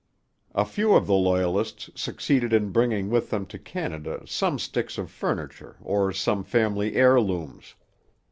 A few of the Loyalists succeeded in bringing with them to Canada some sticks of furniture or some family heirlooms.